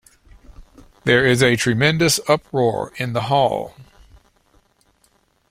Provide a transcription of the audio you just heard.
There is a tremendous uproar in the hall.